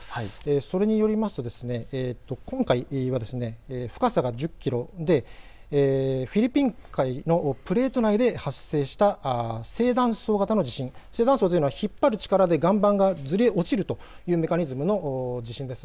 それによると今回は深さは１０キロでフィリピン海のプレート内で発生した正断層型の地震、正断層というのは引っ張る力で岩盤がずれ落ちるというメカニズムの地震です。